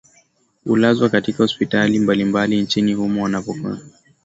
ulazwa katika hospitali mbalimbali nchini humo wanakopata matibabu